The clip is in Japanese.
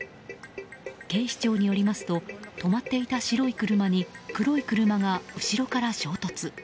警視庁によりますと止まっていた白い車に黒い車が後ろから衝突。